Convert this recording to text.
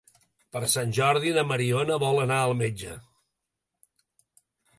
Per Sant Jordi na Mariona vol anar al metge.